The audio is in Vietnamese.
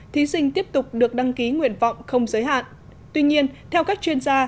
thí sinh tiếp tục được đăng ký nguyện vọng không giới hạn tuy nhiên theo các chuyên gia